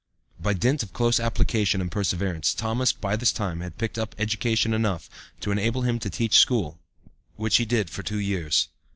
By dint of close application and perseverance, Thomas by this time had picked up education enough to enable him to teach school, which he did for two years.